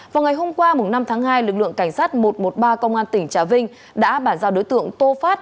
vào ngày hôm qua năm tháng hai lực lượng cảnh sát một trăm một mươi ba công an tỉnh trà vinh đã bản giao đối tượng tô phát